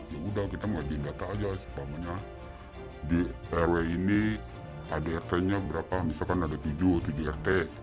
ya udah kita ngajuin data aja supaya di rw ini ada rt nya berapa misalkan ada tujuh tujuh rt